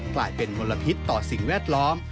กลายเป็นมลพิษต่อสิ่งแวดล้อม